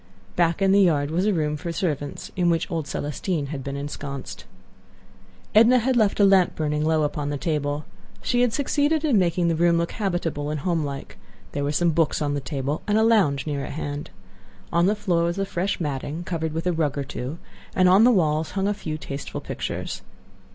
Back in the yard was a room for servants, in which old Celestine had been ensconced. Edna had left a lamp burning low upon the table. She had succeeded in making the room look habitable and homelike. There were some books on the table and a lounge near at hand. On the floor was a fresh matting, covered with a rug or two; and on the walls hung a few tasteful pictures.